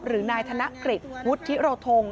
หรือนายธนกฤษวุฒิโรธง